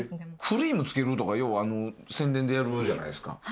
クリームつけるとかよう宣伝でやるじゃないっすか。